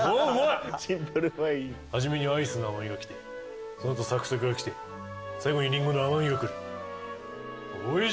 初めにアイスの甘味がきてその後サクサクがきて最後にリンゴの甘味がくる。